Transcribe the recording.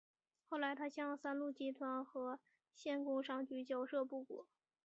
后来他向三鹿集团和县工商局交涉不果。